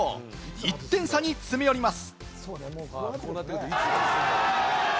１点差に詰め寄ります。